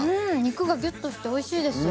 肉がギュッとして美味しいです。